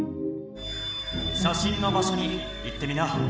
しゃしんの場所に行ってみな。